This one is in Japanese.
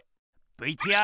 ＶＴＲ。